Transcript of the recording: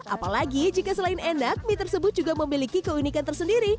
apalagi jika selain enak mie tersebut juga memiliki keunikan tersendiri